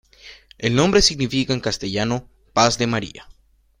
El nombre significa en castellano "paz de María".